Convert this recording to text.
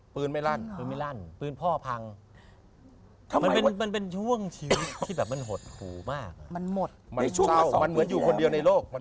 ปืนไม่ลั่นปืนไม่ลั่นปืนพ่อพังมันเป็นช่วงชีวิตที่แบบมันหดหูมากมันหมดมันเศร้ามันเหมือนอยู่คนเดียวในโลก